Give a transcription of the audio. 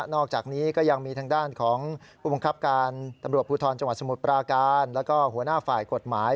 นอกจากนี้ก็ยังมีทางด้านของผู้บังคับการปราการและหัวหน้าฝ่ายกฎหมาย